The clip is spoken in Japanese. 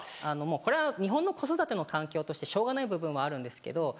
もうこれは日本の子育ての環境としてしょうがない部分はあるんですけど。